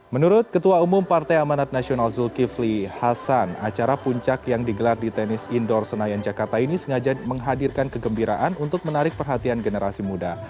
menurut ketua umum partai amanat nasional zulkifli hasan acara puncak yang digelar di tenis indoor senayan jakarta ini sengaja menghadirkan kegembiraan untuk menarik perhatian generasi muda